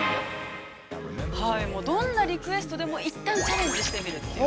◆どんなリクエストでも一旦チャレンジしてみるという。